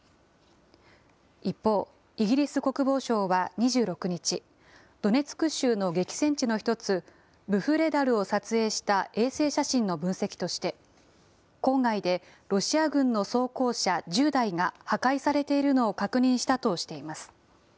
一方、イギリス国防省は２６日、ドネツク州の激戦地の１つ、ブフレダルを撮影した衛星写真の分析として、郊外でロシア軍の装甲車１０台が破壊されているのを確認したとしています。